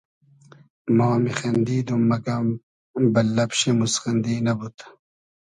ما میخیندیدوم مئگئم بئل لئب شی موسخیندی نئبود